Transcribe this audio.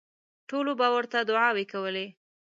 ټولو به ورته دوعاوې کولې.